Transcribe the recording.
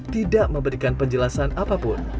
tidak memberikan penjelasan apapun